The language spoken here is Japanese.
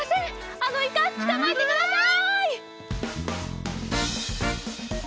あのイカつかまえてください！